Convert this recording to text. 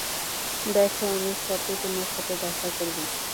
দেখো, আমি শপে তোমার সাথে দেখা করব।